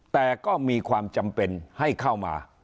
แต่ก็มีความจำเป็นให้เข้ามา